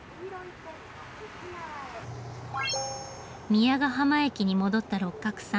宮ヶ浜駅に戻った六角さん。